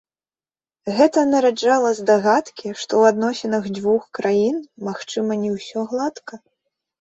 Гэта нараджала здагадкі, што ў адносінах дзвюх краін, магчыма, не ўсё гладка.